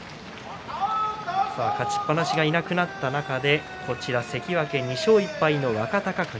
勝ちっぱなしがいなくなった中でこちら関脇、２勝１敗の若隆景。